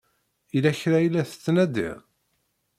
Yella kra ay la tettnadiḍ?